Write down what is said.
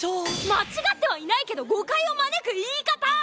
間違ってはいないけど誤解を招く言い方！